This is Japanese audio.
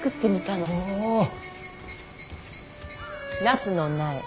ナスの苗。